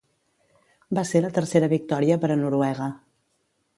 Va ser la tercera victòria per a Noruega.